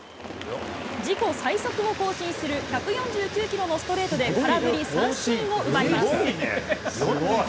自己最速を更新する１４９キロのストレートで空振り三振を奪います。